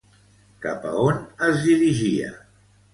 Cap on es dirigia?